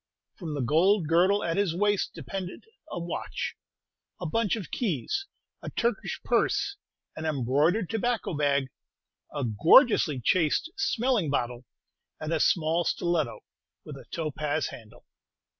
From the gold girdle at his waist depended a watch, a bunch of keys, a Turkish purse, an embroidered tobacco bag, a gorgeously chased smelling bottle, and a small stiletto, with a topaz handle.